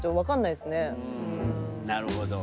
なるほど。